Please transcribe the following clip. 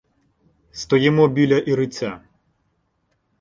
Стоїмо біля Іриця.